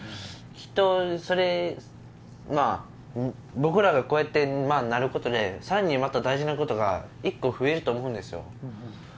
きっとそれ僕らがこうやってなることでさらにまた大事なことが１個増えると思うんですよ。